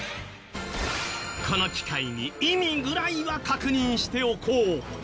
この機会に意味ぐらいは確認しておこう。